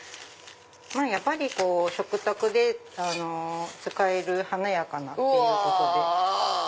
やっぱり食卓で使える華やかなっていうことで。